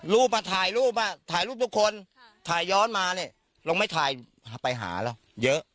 ถ่ายรูปอ่ะถ่ายรูปทุกคนถ่ายย้อนมาเนี่ยเราไม่ถ่ายไปหาเราเยอะ